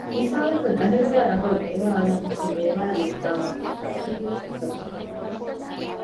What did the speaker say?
މިސާލަކަށް ގަހެއްގައި ރަނގަޅު މޭވާ އަޅަނީ އެ މޭވާ އަށް ލިބިފައިވާ ޚާޞިއްޔަތެއްގެ ސަބަބުންނެއް ނޫން